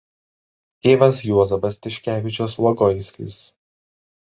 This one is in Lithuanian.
Tėvas Juozapas Tiškevičius Logoiskis.